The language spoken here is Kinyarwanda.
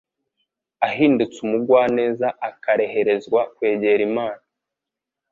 ahindutse umugwaneza akareherezwa kwegera Imana,